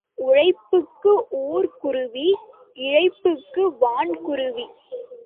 உழைப்புக்கு ஊர்க்குருவி இழைப்புக்கு வான் குருவி.